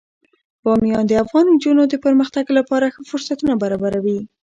بامیان د افغان نجونو د پرمختګ لپاره ښه فرصتونه برابروي.